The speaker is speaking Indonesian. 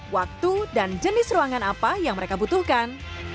waktu dan jenis ruangan apa yang mereka butuhkan